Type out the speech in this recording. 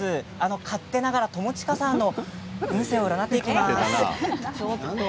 勝手ながら友近さんの運勢を占っていきます。